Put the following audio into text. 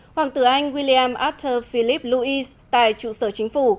hoàng tử anh william arthur philip lewis tại trụ sở chính phủ